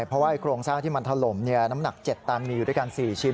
เพราะว่าโครงสร้างที่มันถล่มน้ำหนัก๗ตันมีอยู่ด้วยกัน๔ชิ้น